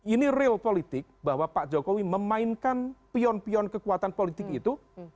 ini real politik bahwa pak jokowi memainkan pion pion kekuatan politik itu